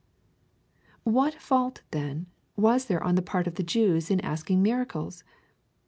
What fault, then, was there on the part of the Jews in asking miracles